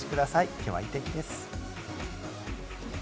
きょうはいい天気です。